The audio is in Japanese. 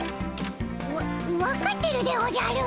わ分かってるでおじゃる。